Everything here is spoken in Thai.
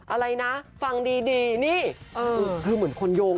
อะไรนะฟังดีนี่คือเหมือนคนโยง